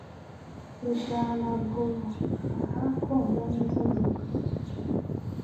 bizanagufaha kumva neza ingingo nhya